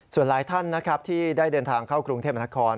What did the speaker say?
ส่วนหลายท่านนะครับที่ได้เดินทางเข้ากรุงเทพนคร